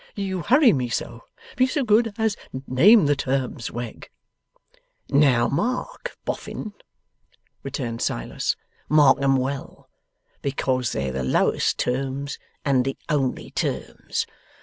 You hurry me so. Be so good as name the terms, Wegg.' 'Now, mark, Boffin,' returned Silas: 'Mark 'em well, because they're the lowest terms and the only terms.